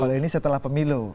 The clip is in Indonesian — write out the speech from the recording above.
kalau ini setelah pemilu